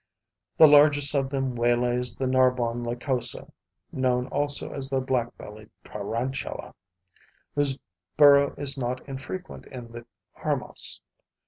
The largest of them waylays the Narbonne Lycosa [known also as the black bellied tarantula], whose burrow is not infrequent in the harmas.